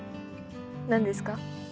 何ですか？